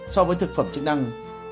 so với thực phẩm chức năng